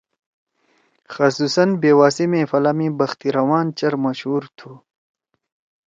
خصوصاً بیوا سی محفلا می بخت روان چیر مشہُور تُھو۔